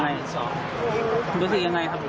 แล้วรู้สึกอย่างไรครับ